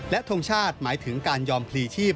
และทงชาติหมายถึงการยอมพลีชีพ